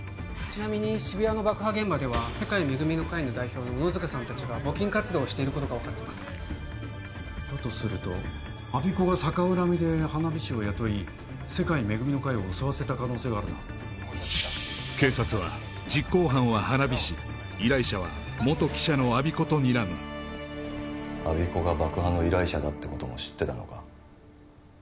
ちなみに渋谷の爆破現場では世界恵みの会の代表の小野塚さんたちが募金活動をしていることが分かってますだとすると我孫子が逆恨みで花火師を雇い世界恵みの会を襲わせた可能性があるな警察は実行犯は花火師依頼者は元記者の我孫子とにらむ我孫子が爆破の依頼者だってことも知ってたのか？